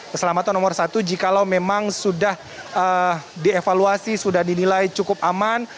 keselamatan nomor satu jikalau memang sudah dievaluasi sudah dinilai cukup aman